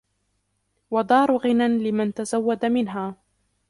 وَدَارُ غِنًى لِمَنْ تَزَوَّدَ مِنْهَا